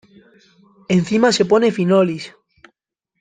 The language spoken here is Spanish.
¿ encima se pone finolis?